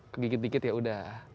kegigit gigit ya udah